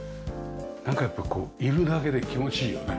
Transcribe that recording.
なんかやっぱこういるだけで気持ちいいよね。